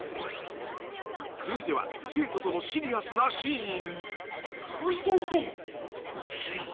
［続いては生徒とのシリアスなシーン］